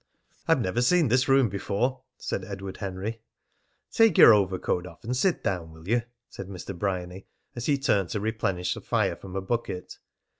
"I've never seen this room before," said Edward Henry. "Take your overcoat off and sit down, will you?" said Mr. Bryany as he turned to replenish the fire from a bucket.